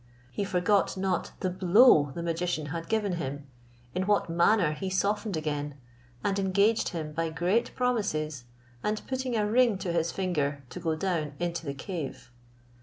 He forgot not the blow the magician had given him, in what manner he softened again, and engaged him by great promises, and putting a ring to his finger, to go down into the cave.